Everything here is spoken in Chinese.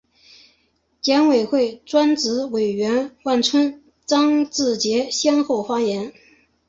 检委会专职委员万春、张志杰先后发言